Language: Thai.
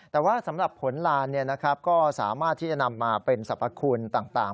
แต่ว่าสำหรับผลลานก็สามารถที่จะนำมาเป็นสรรพคุณต่าง